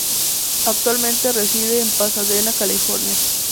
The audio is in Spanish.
Actualmente reside en Pasadena, California.